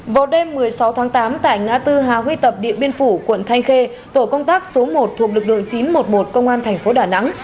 vào đêm một mươi sáu tháng tám tại ngã tư hà huy tập điện biên phủ quận thanh khê tổ công tác số một thuộc lực lượng chín trăm một mươi một công an thành phố đà nẵng